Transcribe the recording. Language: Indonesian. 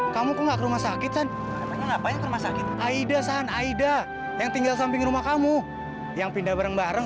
kamu enggak rumah sakit sakit aida aida yang tinggal samping rumah kamu yang pindah bareng